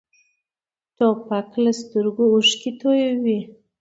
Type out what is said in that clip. توپک له سترګو اوښکې تویوي.